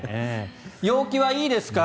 陽気はいいですか？